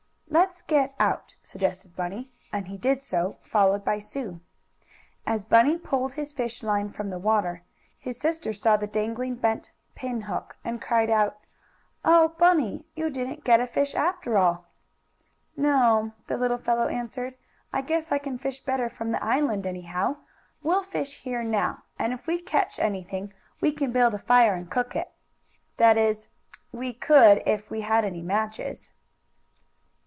"Let's get out," suggested Bunny, and he did so, followed by Sue. As Bunny pulled his fish line from the water, his sister saw the dangling bent pin hook, and cried out: "Oh, Bunny, you didn't get a fish after all!" "No," the little fellow answered. "I guess I can fish better from the island, anyhow. We'll fish here now, and if we catch anything we can build a fire and cook it. That is, we could if we had any matches."